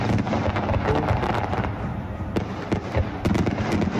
May Pen has long been viewed as one of Jamaica's most important agriculture towns.